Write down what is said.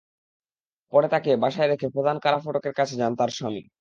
পরে তাঁকে বাসায় রেখে প্রধান কারা ফটকের কাছে যান তাঁর স্বামী।